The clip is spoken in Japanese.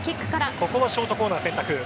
ここはショートコーナー選択。